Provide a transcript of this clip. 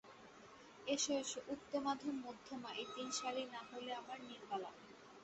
এসো এসো– উত্তমাধমমধ্যমা এই তিন শ্যালী না হলে আমার– নীরবালা।